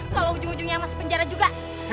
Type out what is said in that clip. kalau ujung ujungnya masih penjara juga